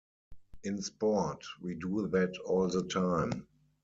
In sport, we do that all the time.